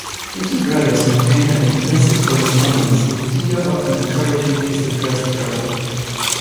The two brothers maintained an intensive correspondence, with Theo often encouraging his depressed brother.